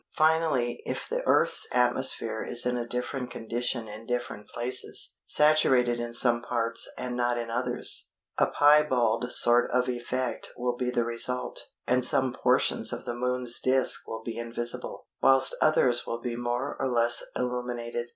Finally, if the Earth's atmosphere is in a different condition in different places, saturated in some parts and not in others, a piebald sort of effect will be the result, and some portions of the Moon's disc will be invisible, whilst others will be more or less illuminated.